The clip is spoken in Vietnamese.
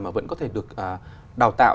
mà vẫn có thể được đào tạo